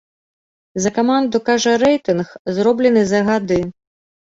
За каманду кажа рэйтынг, зароблены за гады.